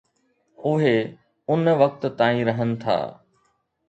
اهي ان وقت تائين رهن ٿا.